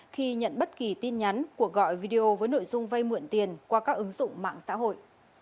khi nhận bất kỳ tin nhắn của gọi video với nội dung vay mượn tiền qua các ứng dụng mạng xã hội